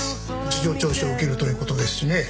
事情聴取を受けるという事ですしね。